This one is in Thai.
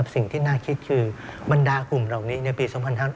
สิ่งที่น่าคิดคือบรรดากลุ่มเหล่านี้ในปี๒๕๕๙